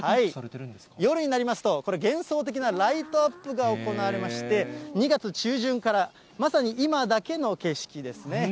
夜になりますと、これ、幻想的なライトアップが行われまして、２月中旬から、まさに今だけの景色ですね。